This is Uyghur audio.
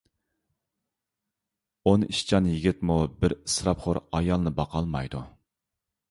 ئون ئىشچان يىگىتمۇ بىر ئىسراپخور ئايالنى باقالمايدۇ.